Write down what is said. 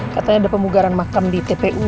katanya ada pemugaran makam di tpu